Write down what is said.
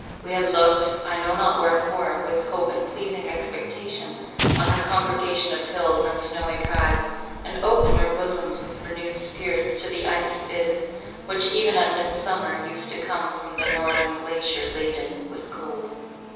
We had looked, I know not wherefore, with hope and pleasing expectation on her congregation of hills and snowy crags, and opened our bosoms with renewed spirits to the icy Biz, which even at Midsummer used to come from the northern glacier laden with cold.